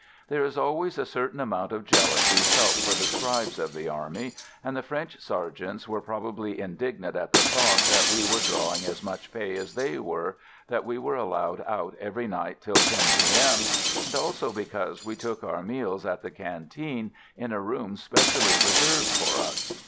There is always a certain amount of jealousy felt for the scribes of the army, and the French sergeants were probably indignant at the thought that we were drawing as much pay as they were, that we were allowed out every night till 10 P.M., and also because we took our meals at the canteen, in a room specially reserved for us.